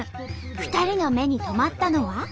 ２人の目に留まったのは。